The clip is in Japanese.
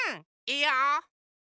いいよ！